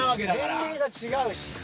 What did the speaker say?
年齢が違うし。